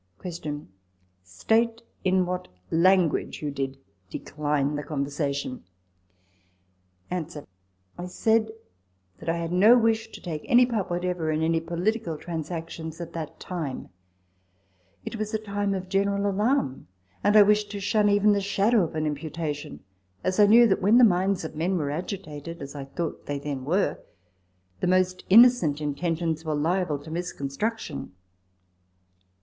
Q. State in what language you did decline that conversation. A . I said that I had no wish to take any part what ever in any political transactions at that time ; it was a time of general alarm, and I wished to shun even the shadow of an imputation, as I knew that when the minds of men were agitated, as I thought they then were, the most innocent intentions were liable to misconstruction.